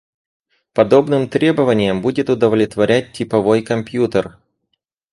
Подобным требованиям будет удовлетворять типовой компьютер